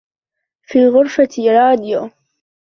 في غرفتي راديو.